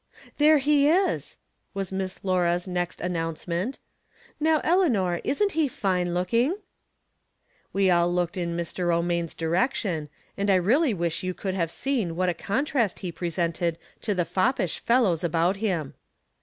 " There he is !" was Miss Laura's next an nouncement. "Now, Eleanor, isn't he fine looking? " We aU looked in Mr. Romaine's direction, and I really wish you could have seen what a contrast he presented to the foppish fellows about Mm.